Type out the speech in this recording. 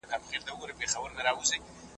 وروڼه به له سواته تر کنړه اولسونه وي